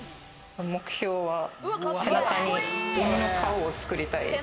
目標は背中に鬼の顔を作りたい。